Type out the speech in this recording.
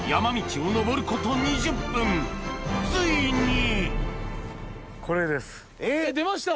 ついに！出ました！